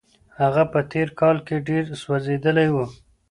هغه په تېر کال کي ډېر ځورېدلی و.